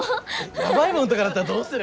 やばいもんとかだったらどうする？